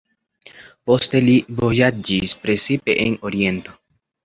Poste li vojaĝis, precipe en Oriento.